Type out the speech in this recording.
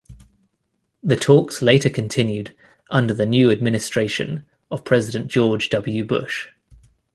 The talks later continued under the new administration of President George W. Bush.